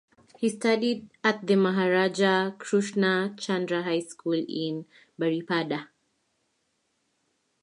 He studied at the Maharaja Krushna Chandra High School in Baripada.